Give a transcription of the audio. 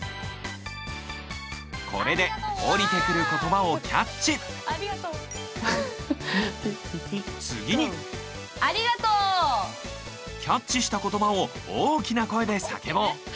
これで下りてくる言葉をキャッチ次にキャッチした言葉を大きな声で叫ぼう。